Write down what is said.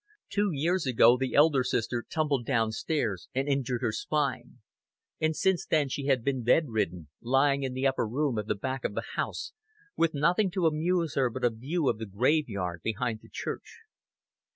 Two years ago the elder sister tumbled down stairs and injured her spine; and since then she had been bedridden, lying in the upper room at the back of the house, with nothing to amuse her but a view of the graveyard behind the church.